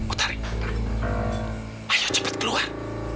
utari ayo cepat keluar